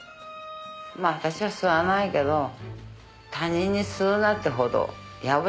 まあ私は吸わないけど他人に吸うなってほど野暮じゃないから。